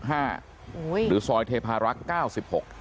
หรือซอยเทพารักษ์๙๘